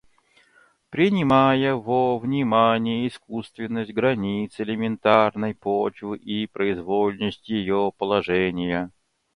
Принимая во внимание искусственность границ элементарной почвы и произвольность ее положения